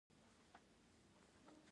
خپل وزن کمول اسانه کار نه دی.